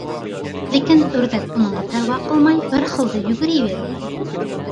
لېكىن، ئۆردەك بۇنىڭغا پەرۋا قىلماي بىر خىلدا يۈگۈرۈۋېرىپتۇ.